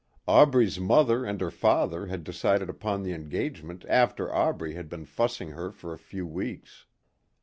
Aubrey's mother and her father had decided upon the engagement after Aubrey had been fussing her for a few weeks.